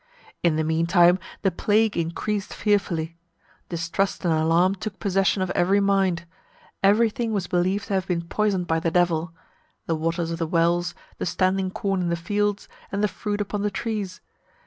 In the mean time the plague increased fearfully. Distrust and alarm took possession of every mind. Every thing was believed to have been poisoned by the Devil; the waters of the wells, the standing corn in the fields, and the fruit upon the trees.